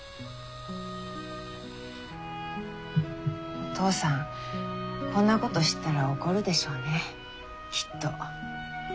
お父さんこんなこと知ったら怒るでしょうねきっと。